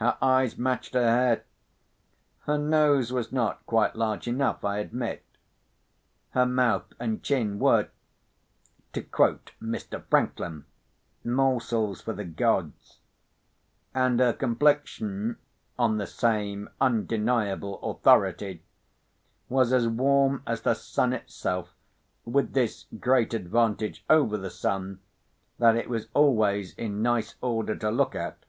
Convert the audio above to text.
Her eyes matched her hair. Her nose was not quite large enough, I admit. Her mouth and chin were (to quote Mr. Franklin) morsels for the gods; and her complexion (on the same undeniable authority) was as warm as the sun itself, with this great advantage over the sun, that it was always in nice order to look at.